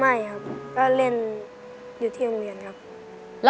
ไม่ครับก็เล่นอยู่ที่โรงเรียนครับ